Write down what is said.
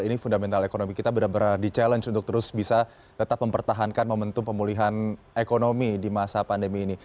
ini fundamental ekonomi kita benar benar di challenge untuk terus bisa tetap mempertahankan momentum pemulihan ekonomi di masa pandemi ini